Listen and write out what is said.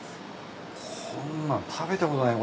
こんなん食べたことない。